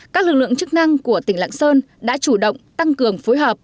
các lực lượng chức năng của tỉnh lạng sơn đã chủ động tăng cường phối hợp